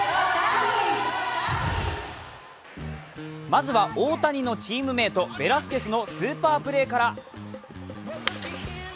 まずは大谷のチームメート、ベラスケスのスーパープレーから。